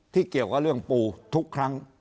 เกี่ยวกับเรื่องปูทุกครั้ง